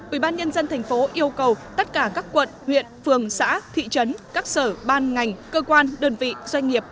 ủy ban nhân dân thành phố yêu cầu tất cả các quận huyện phường xã thị trấn các sở ban ngành cơ quan đơn vị doanh nghiệp